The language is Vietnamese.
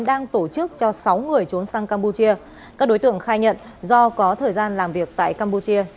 đang tổ chức cho sáu người trốn sang campuchia các đối tượng khai nhận do có thời gian làm việc tại campuchia